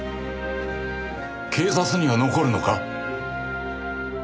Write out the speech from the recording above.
警察には残るのか？